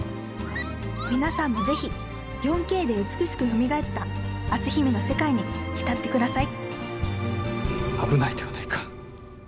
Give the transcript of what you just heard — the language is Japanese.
皆さんも是非４Ｋで美しくよみがえった「篤姫」の世界に浸ってください危ないではないか。